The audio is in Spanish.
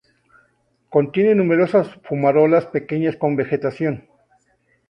Contiene numerosas fumarolas pequeñas con vegetación.